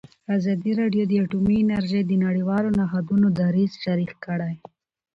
ازادي راډیو د اټومي انرژي د نړیوالو نهادونو دریځ شریک کړی.